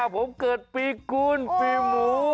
ผมเกิดปีกูลปีหมู